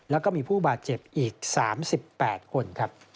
และมีผู้บาดเจ็บอีก๓๘คน